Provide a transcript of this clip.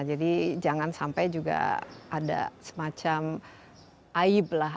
jadi jangan sampai juga ada semacam aib lah